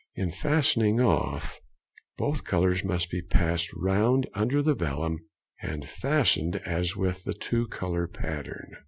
In fastening off, both colours must be passed round under the vellum and fastened as with the two colour pattern.